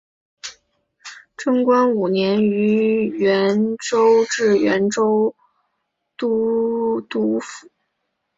贞观五年于原州置原州都督府。